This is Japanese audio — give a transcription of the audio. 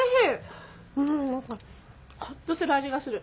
何かホッとする味がする。